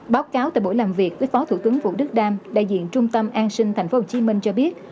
báo cáo tại buổi làm việc với phó thủ tướng vũ đức đam đại diện trung tâm an sinh tp hcm cho biết